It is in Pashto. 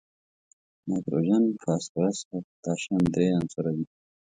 نایتروجن، فاسفورس او پوتاشیم درې عنصره دي.